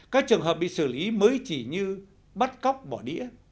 các trường hợp bị xử lý mới chỉ như bắt cóc bỏ đĩa